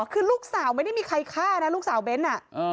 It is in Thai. คือลูกสาวไม่ได้มีใครฆ่านะลูกสาวเบ้น